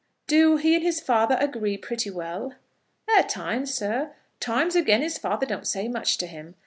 "Do he and his father agree pretty well?" "At times, sir. Times again his father don't say much to him.